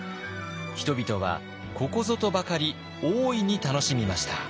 人々はここぞとばかり大いに楽しみました。